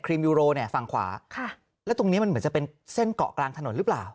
ยูโรเนี่ยฝั่งขวาค่ะแล้วตรงเนี้ยมันเหมือนจะเป็นเส้นเกาะกลางถนนหรือเปล่า